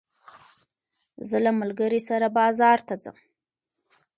زه له ملګري سره بازار ته ځم.